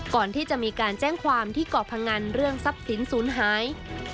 ก่อนที่จะมีการแจ้งความที่เกาะพงันเรื่องทรัพย์สินศูนย์หาย